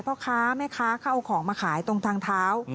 พ่อค้าแม่ค้าเขาเอาของมาขายตรงทางเท้า